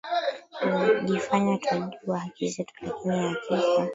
jifanya twajua haki zetu lakini hakika